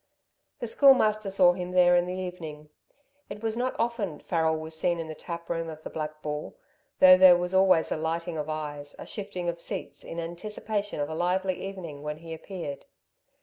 The Schoolmaster saw him there in the evening. It was not often Farrel was seen in the tap room of the Black Bull, though there was always a lighting of eyes, a shifting of seats in anticipation of a lively evening when he appeared.